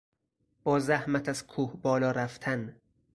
با زحمت از کوه بالا رفتن